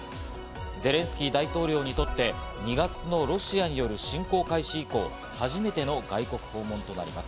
ゼレンスキー大統領にとって２月のロシアによる侵攻開始以降、初めての外国訪問となります。